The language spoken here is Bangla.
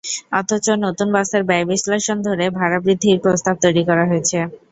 অথচ নতুন বাসের ব্যয় বিশ্লেষণ ধরে ভাড়া বৃদ্ধির প্রস্তাব তৈরি করা হয়েছে।